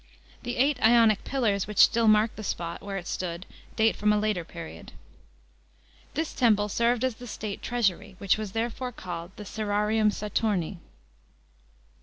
The eight Ionic pillars which still mark the spot where it stood date from a later period. This temple served as the state treasury, which was therefore called the asrarium Saturni.